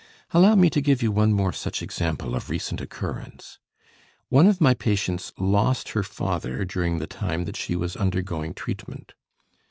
Allow me to give you one more such example of recent occurrence. One of my patients lost her father during the time that she was undergoing treatment.